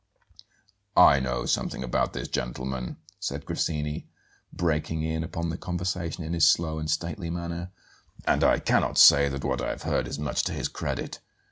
"I know something about this gentleman," said Grassini, breaking in upon the conversation in his slow and stately manner; "and I cannot say that what I have heard is much to his credit.